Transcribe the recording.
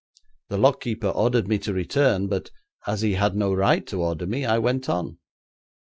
'The lock keeper ordered me to return, but as he had no right to order me, I went on.'